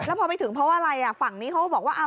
แล้วพอไม่ถึงเพราะอะไรฝั่งนี้เขาบอกว่า